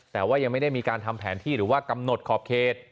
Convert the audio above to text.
แต่ว่ายังไม่ได้มีการทำแผนที่หรือว่ากำหนดขอบเขต